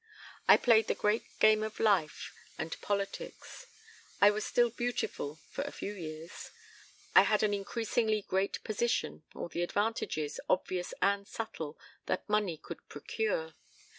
I played the great game of life and politics. I was still beautiful for a few years I had an increasingly great position, all the advantages, obvious and subtle, that money could procure.